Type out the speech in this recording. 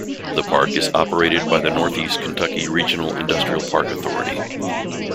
The park is operated by the Northeast Kentucky Regional Industrial Park Authority.